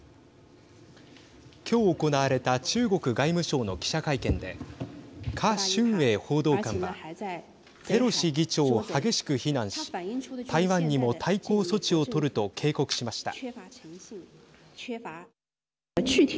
今日、行われた中国外務省の記者会見で華春瑩報道官はペロシ議長を激しく非難し台湾にも対抗措置を取ると警告しました。